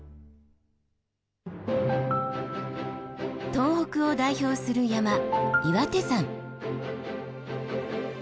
東北を代表する山岩手山。